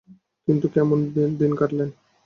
কিন্তু, কেমন দিন কাটালেন?